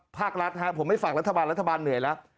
ภาครัฐผมไม่ฝากรัฐบาลรัฐบาลเหนื่อยแล้ว